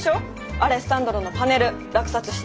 アレッサンドロのパネル落札して。